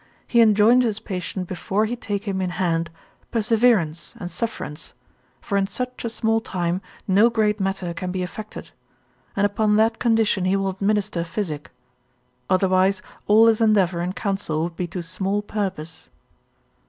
he enjoins his patient before he take him in hand, perseverance and sufferance, for in such a small time no great matter can be effected, and upon that condition he will administer physic, otherwise all his endeavour and counsel would be to small purpose.